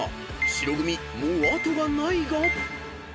［白組もう後がないが］